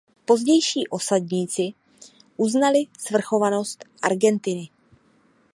Pozdější osadníci uznali svrchovanost Argentiny.